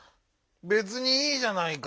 べつにいいじゃないか！